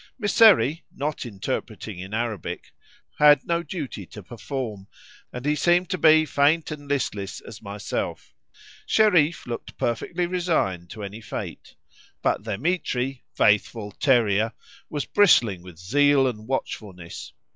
Mysseri (not interpreting in Arabic) had no duty to perform, and he seemed to be faint and listless as myself. Shereef looked perfectly resigned to any fate. But Dthemetri (faithful terrier!) was bristling with zeal and watchfulness.